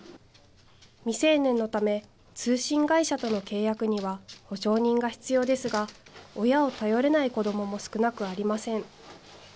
未成年のため、通信会社との契約には保証人が必要ですが、親を頼れない子どもも少なくありません。